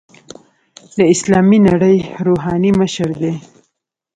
د اسلامي نړۍ روحاني مشر دی.